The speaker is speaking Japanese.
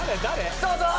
どうぞ！